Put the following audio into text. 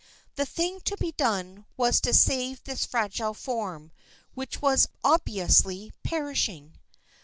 The thing to be done was to save this fragile form, which was obviously perishing.